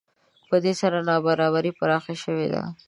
په دې سره نابرابري پراخه شوې ده